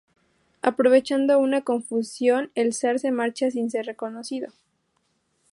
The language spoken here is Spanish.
Aprovechando una confusión, el zar se marcha sin ser reconocido.